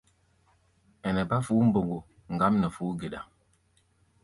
Ɛnɛ bá fuú-mboŋgo ŋgám nɛ fuú-geɗa.